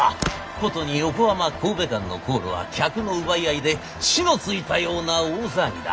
殊に横浜神戸間の航路は客の奪い合いで火のついたような大騒ぎだ。